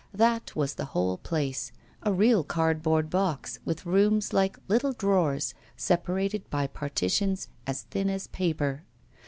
That was the whole place, a real cardboard box, with rooms like little drawers separated by partitions as thin as paper.